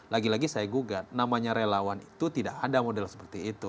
lagi lagi saya gugat namanya relawan itu tidak ada model seperti itu